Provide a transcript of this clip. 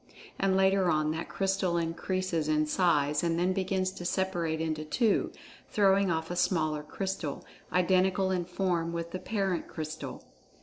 And, later on, that crystal increases in size, and then begins to separate into two, throwing off a smaller crystal, identical in form with the parent crystal.